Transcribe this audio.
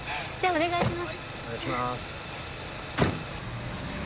お願いしまーす。